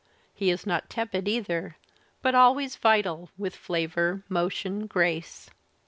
He is not tepid either, but always vital, with flavour, motion, grace.